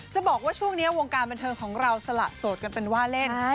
บอกว่าช่วงนี้วงการบันเทิงของเราสละโสดกันเป็นว่าเล่น